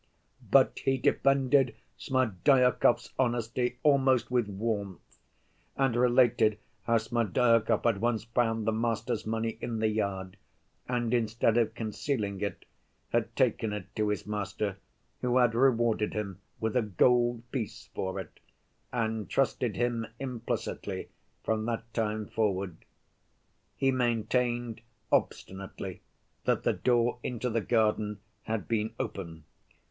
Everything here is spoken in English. But he defended Smerdyakov's honesty almost with warmth, and related how Smerdyakov had once found the master's money in the yard, and, instead of concealing it, had taken it to his master, who had rewarded him with a "gold piece" for it, and trusted him implicitly from that time forward. He maintained obstinately that the door into the garden had been open.